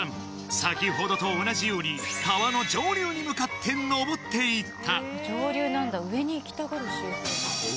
先ほどと同じように川の上流に向かってのぼっていった